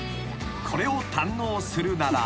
これを堪能するなら］